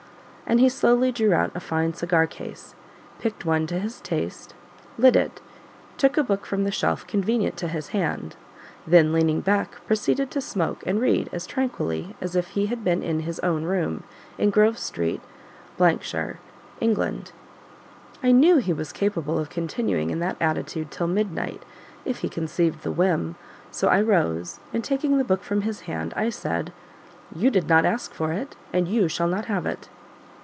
And he slowly drew out a fine cigar case, picked one to his taste, lit it, took a book from the shelf convenient to his hand, then leaning back, proceeded to smoke and read as tranquilly as if he had been in his own room, in Grove street, X shire, England. I knew he was capable of continuing in that attitude till midnight, if he conceived the whim, so I rose, and taking the book from his hand, I said, "You did not ask for it, and you shall not have it."